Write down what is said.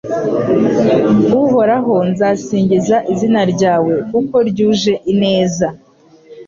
Uhoraho nzasingiza izina ryawe kuko ryuje ineza